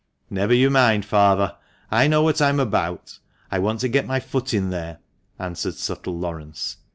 " Never you mind, father, I know what I'm about. I want to get my foot in there," answered subtle Laurence.